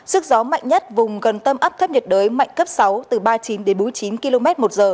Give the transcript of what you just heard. sức gió mạnh nhất vùng gần tâm áp thấp nhiệt đới mạnh cấp sáu từ ba mươi chín đến bốn mươi chín km một giờ